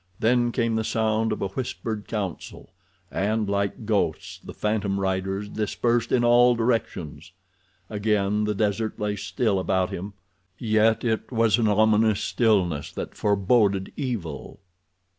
Then came the sound of a whispered council, and like ghosts the phantom riders dispersed in all directions. Again the desert lay still about him, yet it was an ominous stillness that foreboded evil.